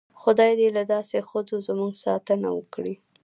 خدای دې له داسې ښځو زموږ ساتنه وکړي.